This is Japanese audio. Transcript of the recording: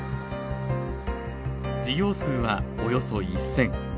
事業数はおよそ１，０００。